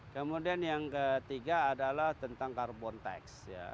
kemudian yang ketiga adalah tentang carbon tax